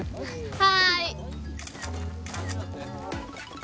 はい。